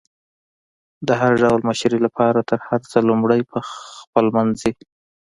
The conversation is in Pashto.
د هر ډول مشري لپاره تر هر څه لمړی خپلمنځي